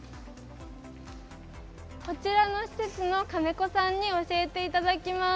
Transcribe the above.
こちらの施設の金子さんに教えていただきます。